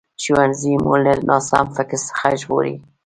ښوونځی مو له ناسم فکر څخه ژغوري